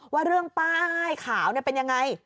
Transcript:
ว่าเรื่องป้ายขาวเป็นยังไง